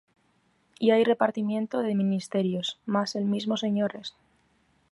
Y hay repartimiento de ministerios; mas el mismo Señor es.